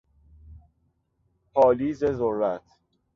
پالیز ذرت